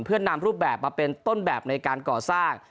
เพื่อนำรูปแบบมาเป็นต้นแบบในการก่อสร้าง